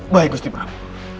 baik gusti prabu